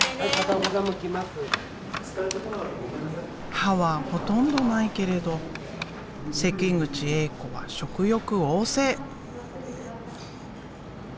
歯はほとんどないけれど関口エイ子は食欲旺盛。